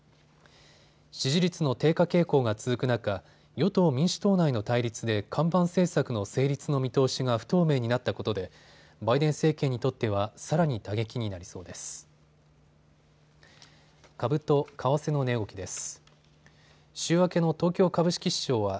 支持率の低下傾向が続く中、与党民主党内の対立で看板政策の成立の見通しが不透明になったことでバイデン政権にとってはさらに打撃になりそうです。